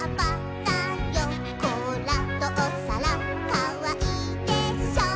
「こうらとお皿かわいいでしょ！」